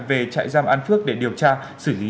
về trại giam an phước để điều tra xử lý